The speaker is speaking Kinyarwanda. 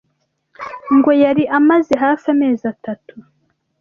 ngo yari amaze hafi amezi atatu